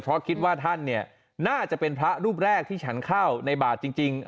พอคิดว่าท่านน่าจะเป็นพระรูปแรกที่ฉันเข้าในบาทจริง